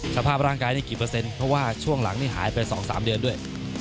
สภาพร่างกายนี่กี่เปอร์เซ็นต์เพราะว่าช่วงหลังนี่หายไป๒๓เดือนด้วย